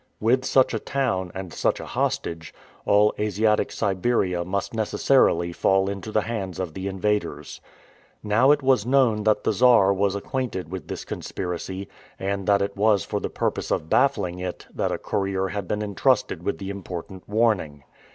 With such a town, and such a hostage, all Asiatic Siberia must necessarily fall into the hands of the invaders. Now it was known that the Czar was acquainted with this conspiracy, and that it was for the purpose of baffling it that a courier had been intrusted with the important warning.